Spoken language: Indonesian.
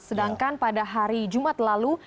sedangkan pada hari jumat lalu